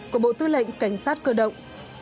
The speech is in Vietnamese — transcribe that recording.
của bộ tư lệnh cảnh sát cơ động